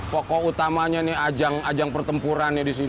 pokok utamanya nih ajang pertempurannya disini